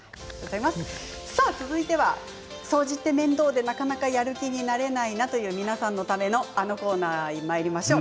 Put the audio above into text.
続いては掃除って面倒でなかなかやる気にならないなという皆さんのためのあのコーナーにまいりましょう。